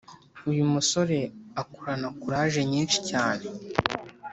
uyu musore akorana kuraje nyinshi cyane